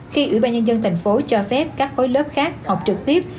khi ủy ban nhân dân tp hcm cho phép các khối lớp khác học trực tiếp